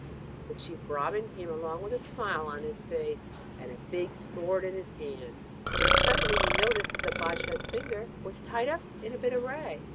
The chief Brahman came along with a smile on his face, and a big sword in his hand, when, suddenly, he noticed that the bâdshah's finger was tied up in a bit of rag.